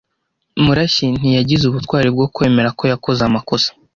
Murashyi ntiyagize ubutwari bwo kwemera ko yakoze amakosa.